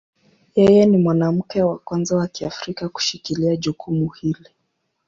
Yeye ni mwanamke wa kwanza wa Kiafrika kushikilia jukumu hili.